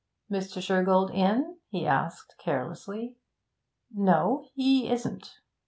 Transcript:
'Mr. Shergold in?' he asked carelessly. 'No, he isn't.'